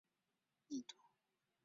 是尼泊尔的最大非印度教民族。